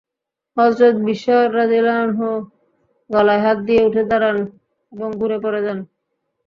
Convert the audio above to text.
হযরত বিশর রাযিয়াল্লাহু আনহু গলায় হাত দিয়ে উঠে দাঁড়ান এবং ঘুরে পড়ে যান।